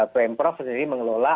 pm prof sendiri mengelola